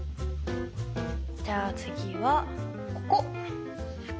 じゃあ次はここ！